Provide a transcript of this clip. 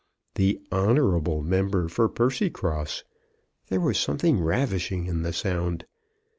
The honourable member for Percycross! There was something ravishing in the sound.